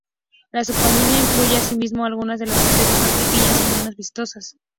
La subfamilia incluye así mismo algunas de las especies más pequeñas y menos vistosas.